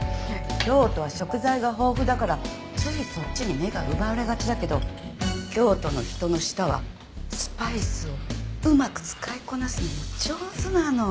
京都は食材が豊富だからついそっちに目が奪われがちだけど京都の人の舌はスパイスをうまく使いこなすのも上手なの。